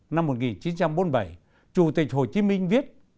năm một nghìn chín trăm bốn mươi bảy chủ tịch hồ chí minh viết